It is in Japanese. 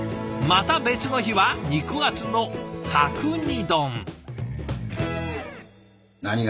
また別の日は肉厚の角煮丼。